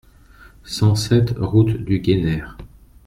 cent sept route du Gueynaire